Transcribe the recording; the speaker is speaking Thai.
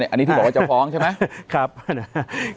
อันนี้บอกว่าเจ้าฟ้องใช่ไหม